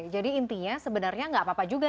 jadi intinya sebenarnya tidak apa apa juga